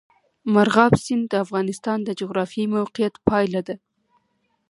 مورغاب سیند د افغانستان د جغرافیایي موقیعت پایله ده.